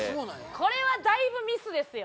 これはだいぶミスですよ。